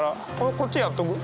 こっちやっとく？